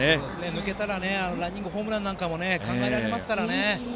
抜けたらランニングホームランなんかも考えられますからね。